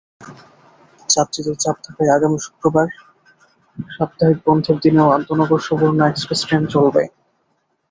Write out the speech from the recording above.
যাত্রীদের চাপ থাকায় আগামী শুক্রবার সাপ্তাহিক বন্ধের দিনেও আন্তনগর সুবর্ণ এক্সপ্রেস ট্রেন চলবে।